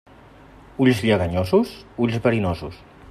Ulls lleganyosos, ulls verinosos.